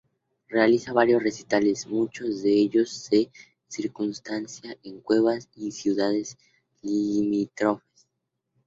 Realiza varios recitales, muchos de ellos "de circunstancia", en Cuevas y ciudades limítrofes.